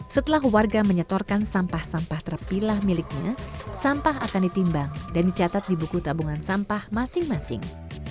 setelah warga menyetorkan sampah sampah terpilah miliknya sampah akan ditimbang dan dicatat di buku tabungan sampah masing masing